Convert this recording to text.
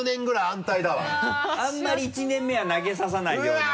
あんまり１年目は投げさせないように。